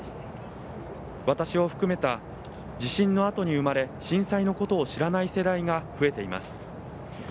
私を含めた地震のあとに生まれ、震災のことを知らない世代が増えています。